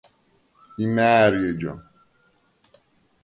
იმ’ა̄̈რი ეჯა?